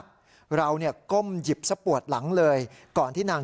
ค้าเป็นผู้ชายชาวเมียนมา